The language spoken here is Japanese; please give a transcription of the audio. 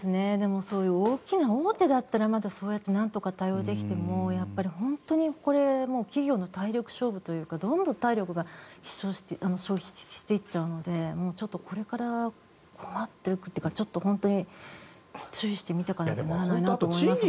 大きな、大手だったらまだなんとか対応できてもやっぱり企業の体力勝負というかどんどん体力を消費していっちゃうのでちょっとこれから困っていくというかちょっと本当に注意して見ていかないといけないなと思いますね。